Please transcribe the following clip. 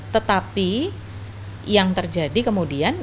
tetapi yang terjadi kemudian